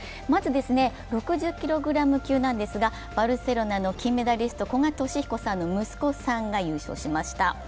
まず６０ｋｇ級なんですが、バルセロナの金メダリスト、古賀稔彦さんの息子さんが優勝しました。